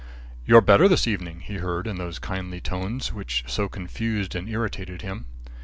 "You're better this evening," he heard in those kindly tones which so confused and irritated him.